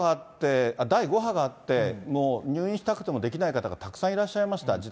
第５波があって、もう入院したくてもできない方がたくさんいらっしゃいました。